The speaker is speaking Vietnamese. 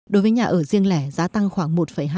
đối với nhà ở riêng lẻ giá tăng khoảng một hai mươi năm